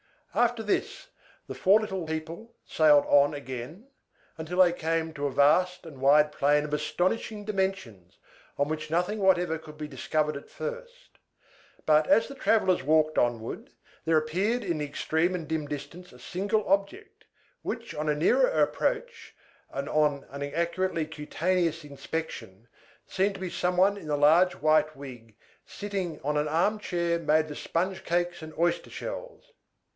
After this, the four little people sailed on again till they came to a vast and wide plain of astonishing dimensions, on which nothing whatever could be discovered at first; but, as the travellers walked onward, there appeared in the extreme and dim distance a single object, which on a nearer approach, and on an accurately cutaneous inspection, seemed to be somebody in a large white wig, sitting on an arm chair made of sponge cakes and oyster shells.